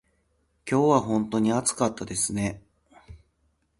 今日は本当に暑かったですね。